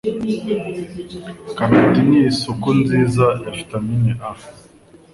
Karoti ni isoko nziza ya vitamine A.